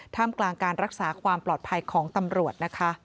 ท่ามกลางการรักษาความปลอดภัยของตำรวจ